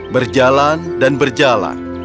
berjalan dan berjalan